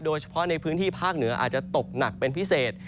โดยเฉพาะในพื้นที่ภาคเหนืออาจจะตกหนักเป็นพิเศษ